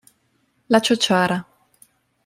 La ciociara